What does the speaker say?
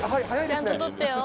ちゃんと撮ってよ？